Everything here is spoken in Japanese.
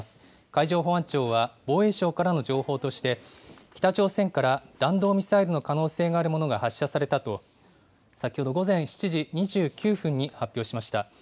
海上保安庁は、防衛省からの情報として、北朝鮮から弾道ミサイルの可能性のあるものが発射されたと、先ほど午前７時２９分に発表しました。